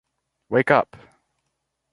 Wake up!